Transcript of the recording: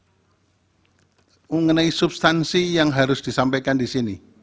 bapak presiden apa yang mengenai substansi yang harus disampaikan di sini